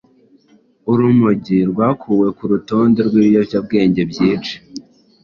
urumogi rwakuwe ku rutonde rw’ibiyobyabwenge byica